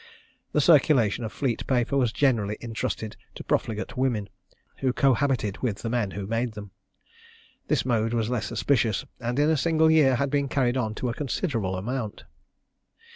The circulation of Fleet paper was generally intrusted to profligate women, who cohabited with the men who made them. This mode was less suspicious, and in a single year had been carried on to a considerable amount.